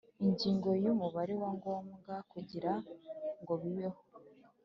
Ingingo ya Umubare wa ngombwa kugira ngo bibeho